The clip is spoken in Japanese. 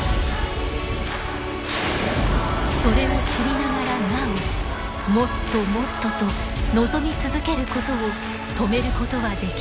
それを知りながらなお「もっともっと」と望み続けることを止めることはできない。